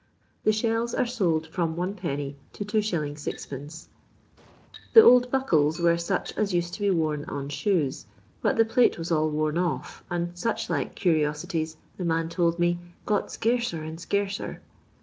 The shells are sold from Id. to2«. 6<^ The old buckles were such as used to be worn on shoes, but the plate was all worn off, and " such like curioaities," the man told me, got scarcer and scarcer."